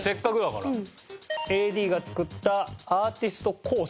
ＡＤが作ったアーティスト工作。